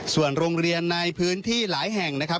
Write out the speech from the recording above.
ส่วนโรงเรียนในพื้นที่หลายแห่งนะครับ